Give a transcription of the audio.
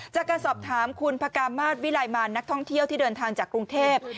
จากการสอบถามคุณพระกามาศวิลัยมารนักท่องเที่ยวที่เดินทางจากกรุงเทพ